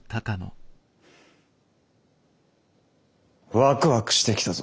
ワクワクしてきたぞ。